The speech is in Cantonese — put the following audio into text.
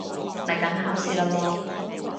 嚟緊考試喇喎